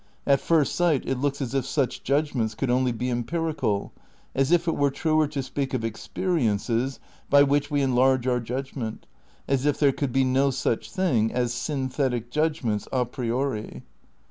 At first sight it looks as if such judgments could only be empirical, as if it were truer to speak of experi ences by which we enlarge our judgment; as if there could be no such thing as synthetic judgments a priori.